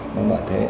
nó nói thế